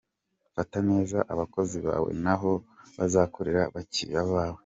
Fata neza abakozi bawe, na bo bazakorera abakiriya bawe .